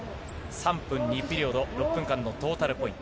３分２ピリオド、６分間のトータルポイント。